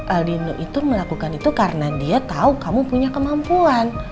al dido itu melakukan itu karena dia tau kamu punya kemampuan